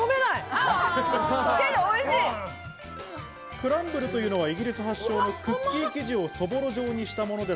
クランブルというのは、イギリス発祥のクッキー生地をそぼろ状にしたものです。